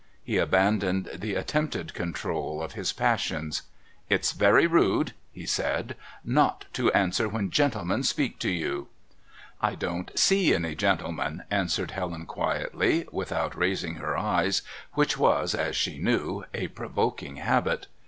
He abandoned the attempted control of his passions. "It's very rude," he said, "not to answer when gentlemen speak to you." "I don't see any gentlemen," answered Helen quietly, without raising her eyes, which was, as she knew, a provoking habit.